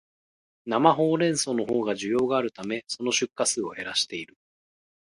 生ホウレンソウのほうが需要があるため、その出荷数を減らしている